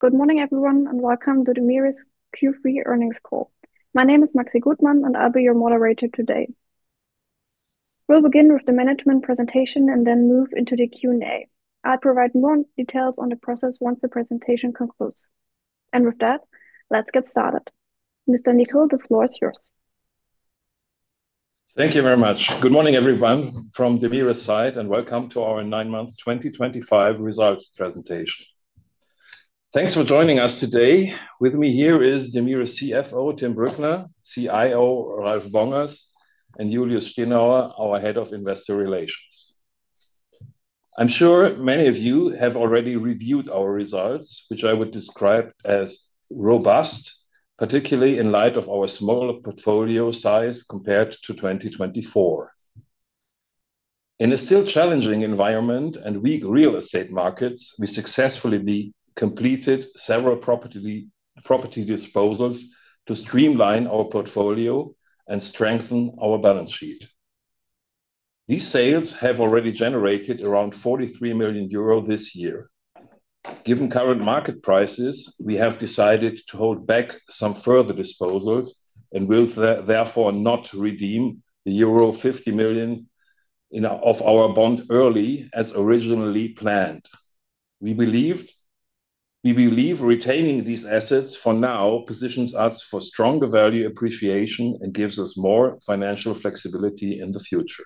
Good morning, everyone, and welcome to DEMIRE's Q3 earnings call. My name is Maxi Gutmann, and I'll be your moderator today. We'll begin with the management presentation and then move into the Q&A. I'll provide more details on the process once the presentation concludes. With that, let's get started. Mr. Nickel, the floor is yours. Thank you very much. Good morning, everyone, from DEMIRE's side, and welcome to our 9 Months 2025 Results Presentation. Thanks for joining us today. With me here is DEMIRE's CFO, Tim Brückner, CIO, Ralf Bongers, and Julius Steinauer, our Head of Investor Relations. I'm sure many of you have already reviewed our results, which I would describe as robust, particularly in light of our smaller portfolio size compared to 2024. In a still challenging environment and weak real estate markets, we successfully completed several property disposals to streamline our portfolio and strengthen our balance sheet. These sales have already generated around 43 million euro this year. Given current market prices, we have decided to hold back some further disposals and will therefore not redeem the euro 50 million of our bond early as originally planned. We believe.` Retaining these assets for now positions us for stronger value appreciation and gives us more financial flexibility in the future.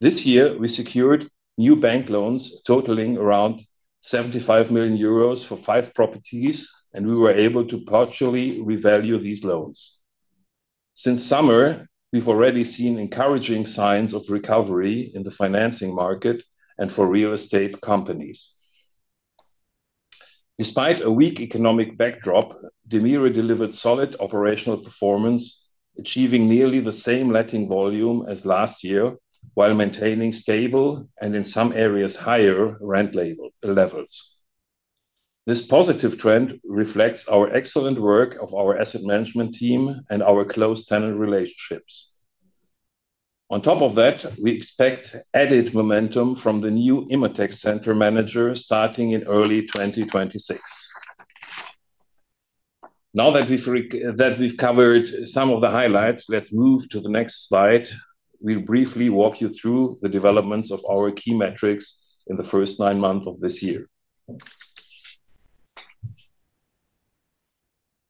This year, we secured new bank loans totaling around 75 million euros for five properties, and we were able to partially revalue these loans. Since summer, we've already seen encouraging signs of recovery in the financing market and for real estate companies. Despite a weak economic backdrop, DEMIRE delivered solid operational performance, achieving nearly the same letting volume as last year while maintaining stable and, in some areas, higher rent levels. This positive trend reflects our excellent work of our asset management team and our close tenant relationships. On top of that, we expect added momentum from the new Immatec Center Manager starting in early 2026. Now that we've covered some of the highlights, let's move to the next slide. We'll briefly walk you through the developments of our key metrics in the first nine months of this year.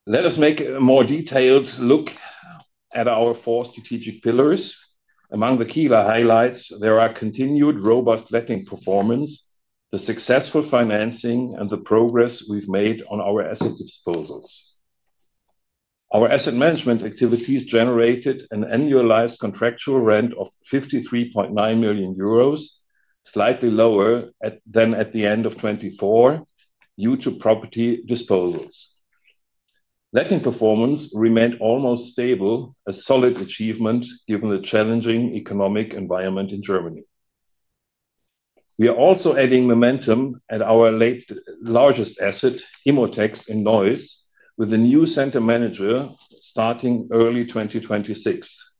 Let us make a more detailed look at our four strategic pillars. Among the key highlights, there are continued robust letting performance, the successful financing, and the progress we've made on our asset disposals. Our asset management activities generated an annualized contractual rent of 53.9 million euros, slightly lower than at the end of 2024 due to property disposals. Letting performance remained almost stable, a solid achievement given the challenging economic environment in Germany. We are also adding momentum at our largest asset, Immatec in Neuss, with a new Center Manager starting early 2026.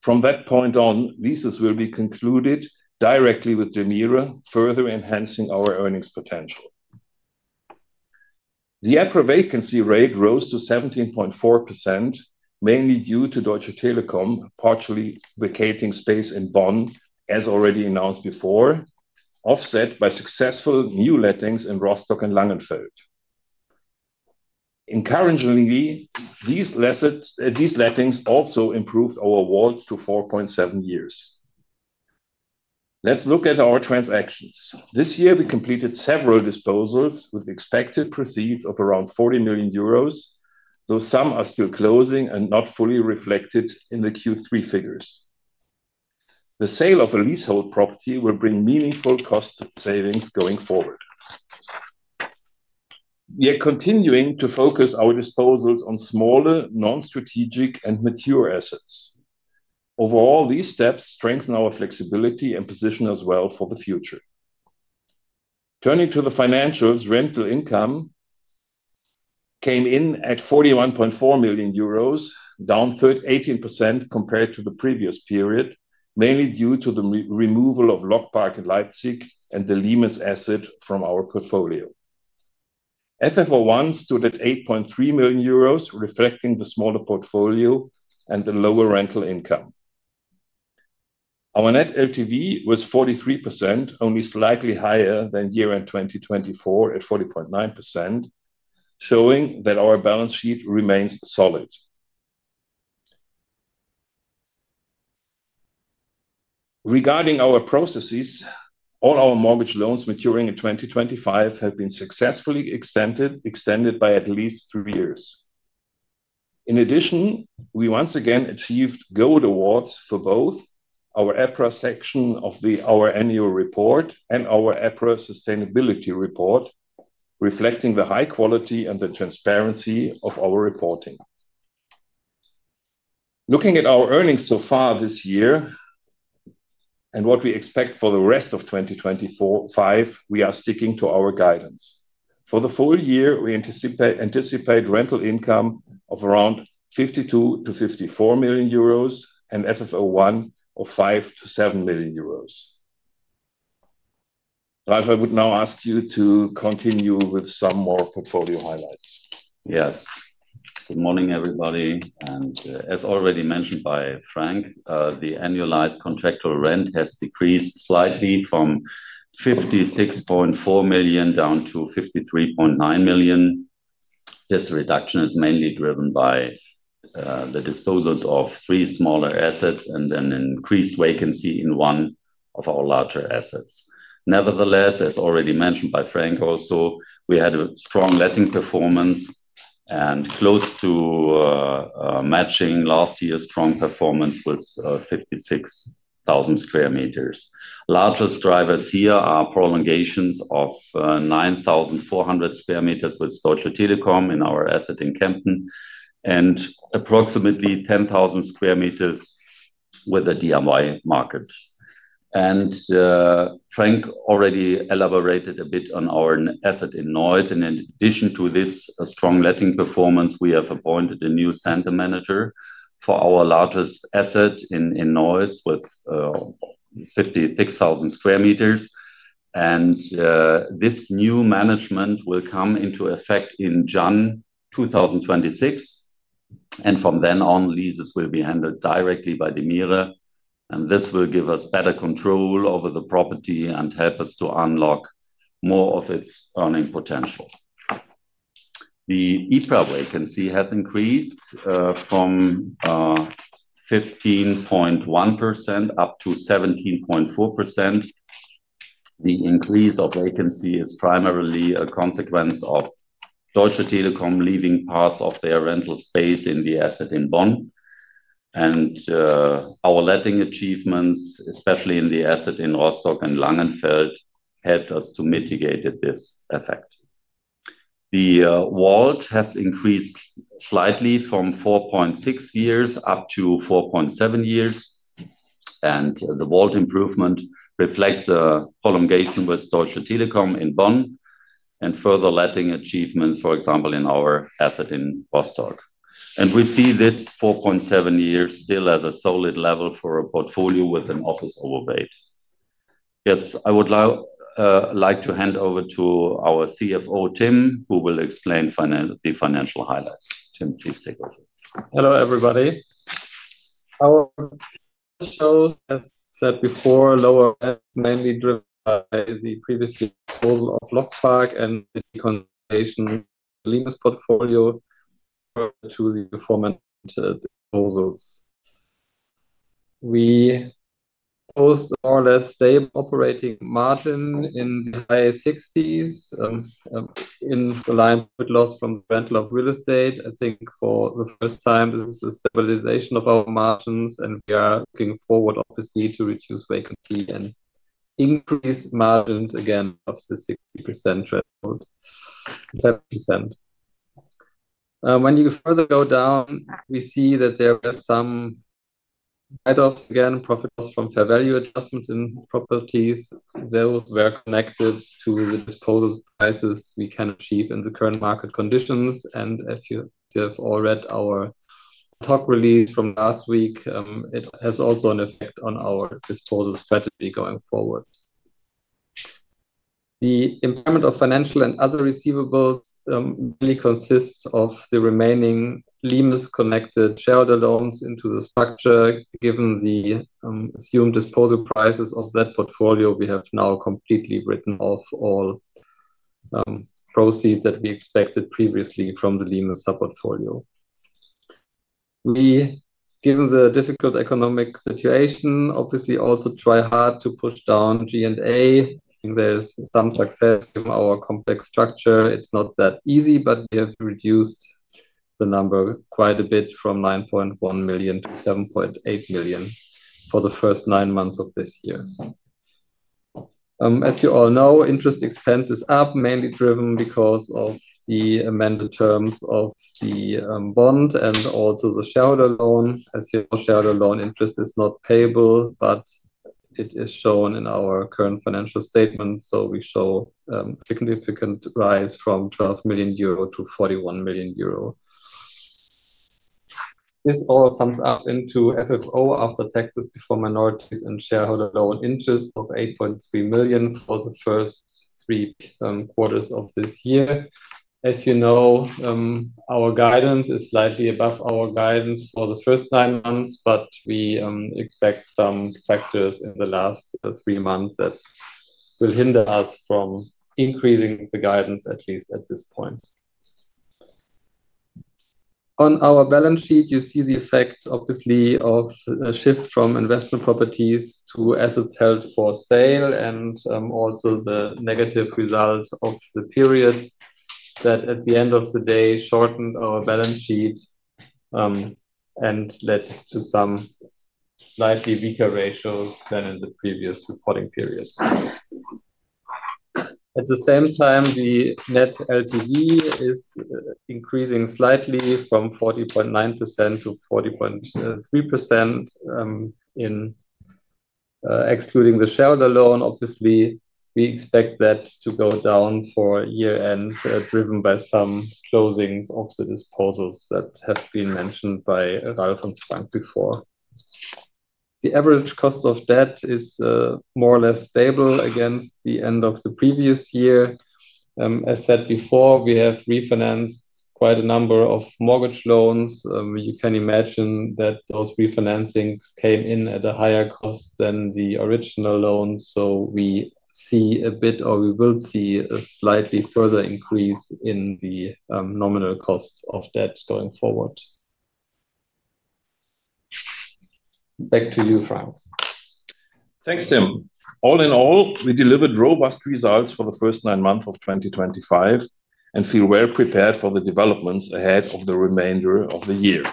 From that point on, leases will be concluded directly with DEMIRE, further enhancing our earnings potential. The approved vacancy rate rose to 17.4%, mainly due to Deutsche Telekom partially vacating space in Bonn, as already announced before, offset by successful new lettings in Rostock and Langenfeld. Encouragingly, these lettings also improved our WALT to 4.7 years. Let's look at our transactions. This year, we completed several disposals with expected proceeds of around 40 million euros, though some are still closing and not fully reflected in the Q3 figures. The sale of a leasehold property will bring meaningful cost savings going forward. We are continuing to focus our disposals on smaller, non-strategic, and mature assets. Overall, these steps strengthen our flexibility and position us well for the future. Turning to the financials, rental income came in at 41.4 million euros, down 18% compared to the previous period, mainly due to the removal of Lockpark and Leipzig and the Limes asset from our portfolio. FFO1 stood at 8.3 million euros, reflecting the smaller portfolio and the lower rental income. Our net LTV was 43%, only slightly higher than year-end 2024 at 40.9%, showing that our balance sheet remains solid. Regarding our processes, all our mortgage loans maturing in 2025 have been successfully extended by at least three years. In addition, we once again achieved gold awards for both our EPRA section of our annual report and our EPRA sustainability report, reflecting the high quality and the transparency of our reporting. Looking at our earnings so far this year, and what we expect for the rest of 2025, we are sticking to our guidance. For the full year, we anticipate rental income of around 52 million-54 million euros and FFO1 of 5 million-7 million euros. Ralf, I would now ask you to continue with some more portfolio highlights. Yes. Good morning, everybody. As already mentioned by Frank, the annualized contractual rent has decreased slightly from 56.4 million down to 53.9 million. This reduction is mainly driven by the disposals of three smaller assets and then an increased vacancy in one of our larger assets. Nevertheless, as already mentioned by Frank also, we had a strong letting performance and close to matching last year's strong performance with 56,000 sq m. Largest drivers here are prolongations of 9,400 sq m with Deutsche Telekom in our asset in Kempten and approximately 10,000 sq m with the DIY market. Frank already elaborated a bit on our asset in Neuss. In addition to this strong letting performance, we have appointed a new Center Manager for our largest asset in Neuss with 56,000 sq m. This new management will come into effect in June 2026. From then on, leases will be handled directly by DEMIRE. This will give us better control over the property and help us to unlock more of its earning potential. The EPRA vacancy has increased from 15.1% up to 17.4%. The increase of vacancy is primarily a consequence of Deutsche Telekom leaving parts of their rental space in the asset in Bonn. Our letting achievements, especially in the asset in Rostock and Langenfeld, helped us to mitigate this effect. The WALT has increased slightly from 4.6 years up to 4.7 years. The WALT improvement reflects a prolongation with Deutsche Telekom in Bonn and further letting achievements, for example, in our asset in Rostock. We see this 4.7 years still as a solid level for a portfolio with an office overweight. Yes, I would. Like to hand over to our CFO, Tim, who will explain the financial highlights. Tim, please take over. Hello, everybody. Our show, as said before, lower mainly driven by the previous disposal of Lockpark and the consolidation of the Limes portfolio. Due to the aforementioned disposals, we post more or less stable operating margin in the high 60% in line with loss from the rental of real estate. I think for the first time, this is a stabilization of our margins, and we are looking forward, obviously, to reduce vacancy and increase margins again above the 60% threshold. 7%. When you further go down, we see that there are some head-offs again, profits from fair value adjustments in properties. Those were connected to the disposal prices we can achieve in the current market conditions. If you have all read our talk release from last week, it has also an effect on our disposal strategy going forward. The impairment of financial and other receivables mainly consists of the remaining Limes-connected shareholder loans into the structure. Given the assumed disposal prices of that portfolio, we have now completely written off all proceeds that we expected previously from the Limes sub-portfolio. We, given the difficult economic situation, obviously also try hard to push down G&A. I think there's some success in our complex structure. It's not that easy, but we have reduced the number quite a bit from 9.1 million to 7.8 million for the first nine months of this year. As you all know, interest expense is up, mainly driven because of the amended terms of the bond and also the shareholder loan. As your shareholder loan interest is not payable, but it is shown in our current financial statements. So we show a significant rise from 12 million euro to 41 million euro. This all sums up into FFO after taxes before minorities and shareholder loan interest of 8.3 million for the first three quarters of this year. As you know. Our guidance is slightly above our guidance for the first nine months, but we expect some factors in the last three months that will hinder us from increasing the guidance, at least at this point. On our balance sheet, you see the effect, obviously, of a shift from investment properties to assets held for sale and also the negative result of the period. That at the end of the day shortened our balance sheet. And led to some. Slightly weaker ratios than in the previous reporting period. At the same time, the net LTV is increasing slightly from 40.9% to 40.3%. Excluding the shareholder loan, obviously, we expect that to go down for year-end, driven by some closings of the disposals that have been mentioned by Ralf and Frank before. The average cost of debt is more or less stable against the end of the previous year. As said before, we have refinanced quite a number of mortgage loans. You can imagine that those refinancings came in at a higher cost than the original loans. We see a bit, or we will see a slightly further increase in the nominal cost of debt going forward. Back to you, Frank. Thanks, Tim. All in all, we delivered robust results for the first nine months of 2025 and feel well prepared for the developments ahead of the remainder of the year.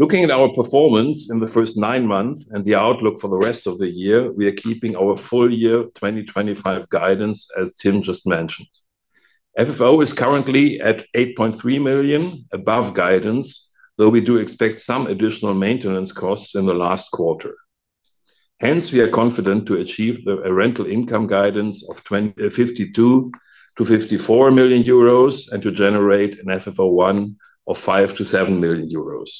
Looking at our performance in the first nine months and the outlook for the rest of the year, we are keeping our full year 2025 guidance, as Tim just mentioned. FFO is currently at 8.3 million, above guidance, though we do expect some additional maintenance costs in the last quarter. Hence, we are confident to achieve a rental income guidance of 52 million-54 million euros and to generate an FFO1 of 5 million-7 million euros.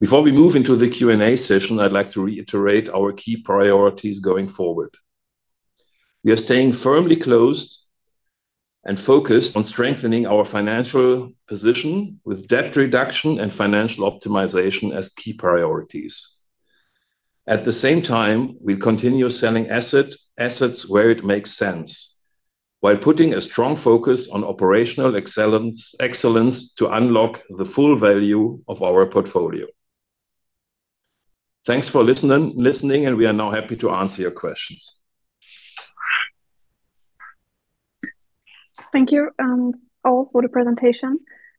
Before we move into the Q&A session, I'd like to reiterate our key priorities going forward. We are staying firmly focused on strengthening our financial position with debt reduction and financial optimization as key priorities. At the same time, we continue selling assets where it makes sense, while putting a strong focus on operational excellence to unlock the full value of our portfolio. Thanks for listening, and we are now happy to answer your questions. Thank you all for the presentation.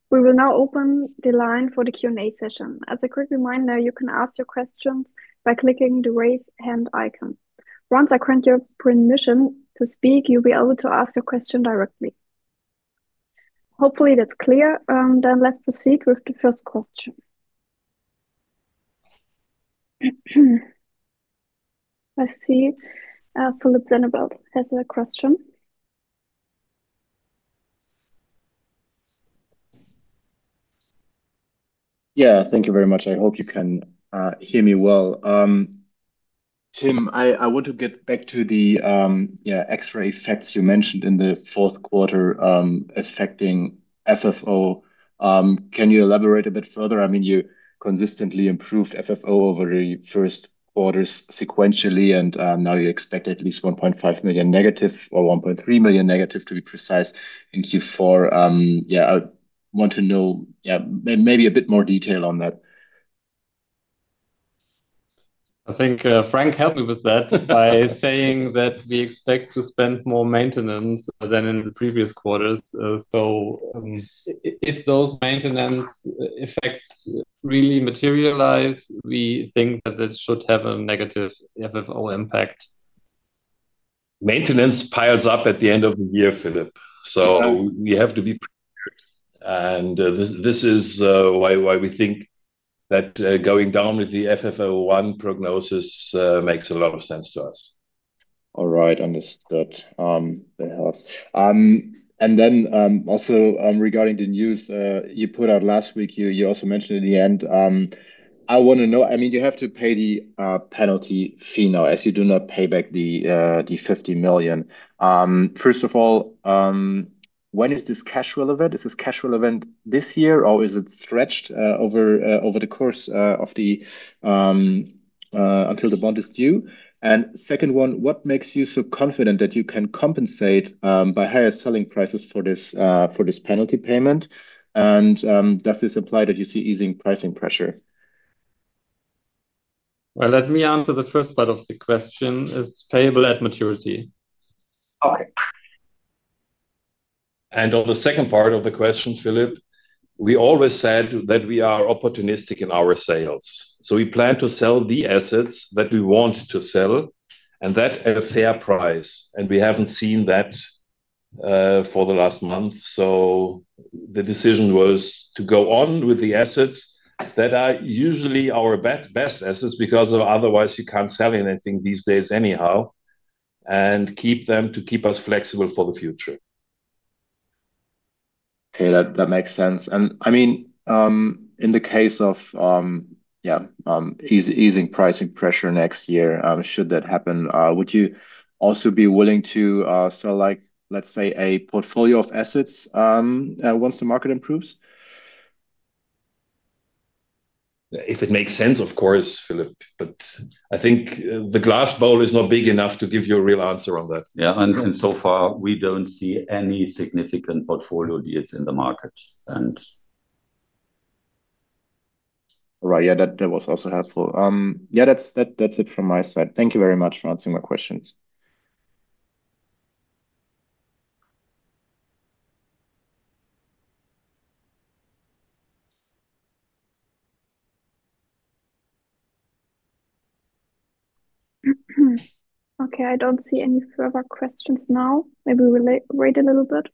We will now open the line for the Q&A session. As a quick reminder, you can ask your questions by clicking the raise hand icon. Once I grant your permission to speak, you'll be able to ask your question directly. Hopefully, that's clear. Let's proceed with the first question. I see Philipp Sennewald has a question. Yeah, thank you very much. I hope you can hear me well. Tim, I want to get back to the X-ray effects you mentioned in the fourth quarter affecting FFO. Can you elaborate a bit further? I mean, you consistently improved FFO over the first quarters sequentially, and now you expect at least 1.5 million negative or 1.3 million negative, to be precise, in Q4. Yeah, I want to know, yeah, maybe a bit more detail on that. I think Frank helped me with that by saying that we expect to spend more maintenance than in the previous quarters. If those maintenance effects really materialize, we think that that should have a negative FFO impact. Maintenance piles up at the end of the year, Philip. We have to be prepared. This is why we think that going down with the FFO1 prognosis makes a lot of sense to us. All right, understood. Also regarding the news you put out last week, you also mentioned at the end. I want to know, I mean, you have to pay the penalty fee now, as you do not pay back the 50 million. First of all, when is this cash relevant? Is this cash relevant this year, or is it stretched over the course of the, until the bond is due? Second one, what makes you so confident that you can compensate by higher selling prices for this penalty payment? Does this apply that you see easing pricing pressure? Let me answer the first part of the question. It's payable at maturity. Okay. On the second part of the question, Philipp, we always said that we are opportunistic in our sales. We plan to sell the assets that we want to sell and that at a fair price. We have not seen that for the last month. The decision was to go on with the assets that are usually our best assets because otherwise you cannot sell anything these days anyhow. We keep them to keep us flexible for the future. Okay, that makes sense. I mean, in the case of, yeah, easing pricing pressure next year, should that happen, would you also be willing to sell, let's say, a portfolio of assets once the market improves? If it makes sense, of course, Philipp, but I think the glass bowl is not big enough to give you a real answer on that. Yeah, and so far we do not see any significant portfolio deals in the market. Right, yeah, that was also helpful. Yeah, that is it from my side. Thank you very much for answering my questions. Okay, I do not see any further questions now. Maybe we will wait a little bit.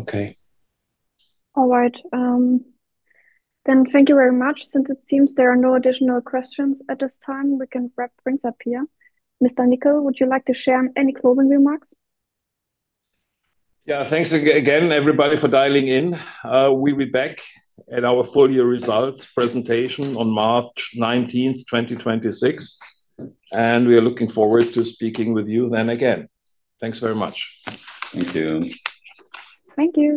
Okay. All right. Thank you very much. Since it seems there are no additional questions at this time, we can wrap things up here. Mr. Nickel, would you like to share any closing remarks? Yeah, thanks again, everybody, for dialing in. We'll be back at our full year results presentation on March 19, 2026. We are looking forward to speaking with you then again. Thanks very much. Thank you. Thank you.